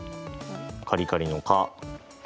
カリカリの「カ」